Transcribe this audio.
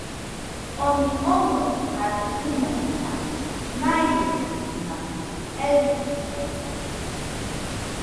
Oni ono jadɨdɨnómona naiemo imajkɨ eikɨtaisa.